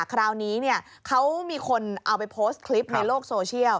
คราวนี้เขามีคนเอาไปโพสต์คลิปในโลกโซเชียล